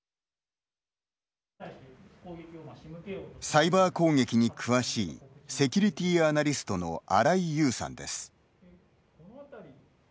サイバー攻撃に詳しいセキュリティアナリストの新井悠さんです。